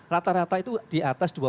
rata rata itu di atas